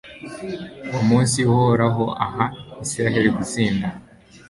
uwo munsi uhoraho aha israheli gutsinda